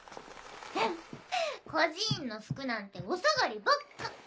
孤児院の服なんてお下がりばっか。